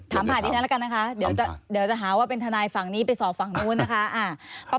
ผ่านดิฉันแล้วกันนะคะเดี๋ยวจะหาว่าเป็นทนายฝั่งนี้ไปสอบฝั่งนู้นนะคะ